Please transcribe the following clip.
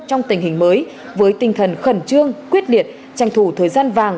trong tình hình mới với tinh thần khẩn trương quyết liệt tranh thủ thời gian vàng